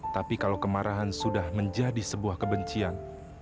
tapi kalau kemarahan sudah menjadi sebuah kebencian